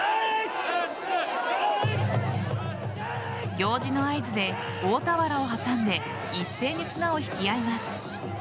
行司の合図で大俵を挟んで一斉に綱を引き合います。